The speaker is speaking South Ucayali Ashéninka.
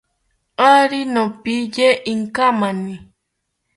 Ari nopiye inkamani